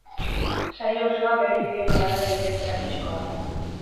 Saio osoa bere bideo kanalaren bidez erakutsiko da.